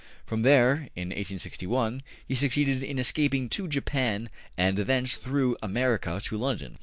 From there, in 1861, he succeeded in escaping to Japan, and thence through America to London.